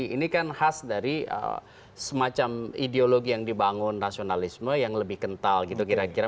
ini kan khas dari semacam ideologi yang dibangun nasionalisme yang lebih kental gitu kira kira